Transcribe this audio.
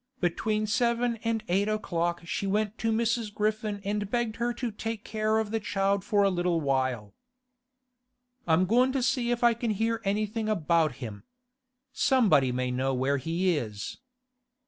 Between seven and eight o'clock she went to Mrs. Griffin and begged her to take care of the child for a little while. 'I'm goin' to see if I can hear anything about him. Somebody may know where he is.